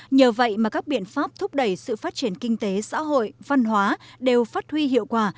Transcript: nhờ vậy mà các biện pháp thúc đẩy sự phát triển kinh tế xã hội văn hóa đều phát huy hiệu quả